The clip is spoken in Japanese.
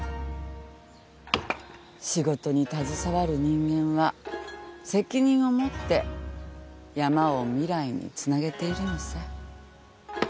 仕事に携わる人間は責任を持って山を未来につなげているのさ。